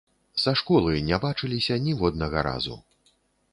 Са школы не бачыліся ніводнага разу.